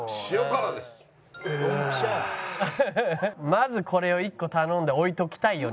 まずこれを一個頼んで置いときたいよね